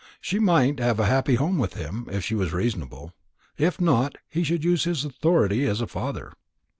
She might have a happy home with him, if she was reasonable. If not, he should use his authority as a father.